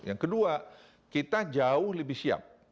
yang kedua kita jauh lebih siap